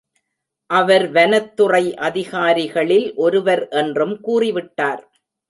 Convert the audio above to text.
அவர் வனத்துறை அதிகாரிகளில் ஒருவர் என்றும் கூறிவிட்டார்.